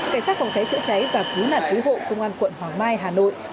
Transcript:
cảnh sát phòng cháy chữa cháy và cứu nạn cứu hộ công an quận hoàng mai hà nội